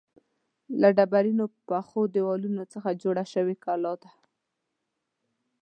له ډبرینو پخو دیوالونو څخه جوړه شوې کلا ده.